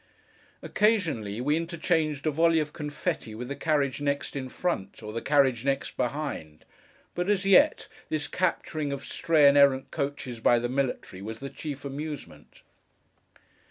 Occasionally, we interchanged a volley of confétti with the carriage next in front, or the carriage next behind; but as yet, this capturing of stray and errant coaches by the military, was the chief amusement.